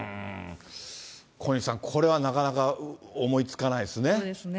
小西さん、これはなかなか思いつかないですね。